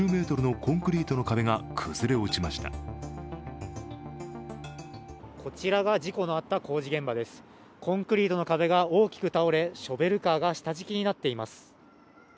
コンクリートの壁が大きく倒れ、ショベルカーが下敷きになっています。